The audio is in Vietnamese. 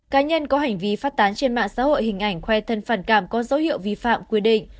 cá nhân có hành vi phát tán trên mạng xã hội hình ảnh khoe thân phản cảm có dấu hiệu vi phạm quy định